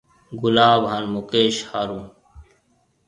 گلاب هانَ مڪيش هارون۔